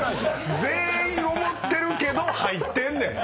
全員思ってるけど入ってんねん！